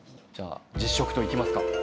じゃあ実食といきますか。